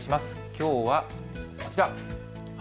きょうはこちら。